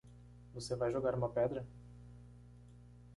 Você vai jogar uma pedra?